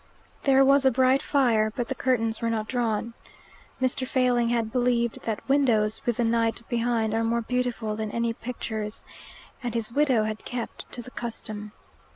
There was a bright fire, but the curtains were not drawn. Mr. Failing had believed that windows with the night behind are more beautiful than any pictures, and his widow had kept to the custom.